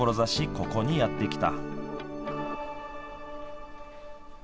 ここにやって来た。